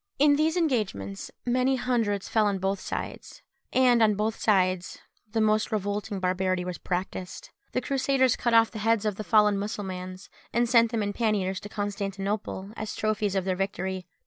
In these engagements, many hundreds fell on both sides; and on both sides the most revolting barbarity was practised: the Crusaders cut off the heads of the fallen Mussulmans, and sent them in panniers to Constantinople, as trophies of their victory.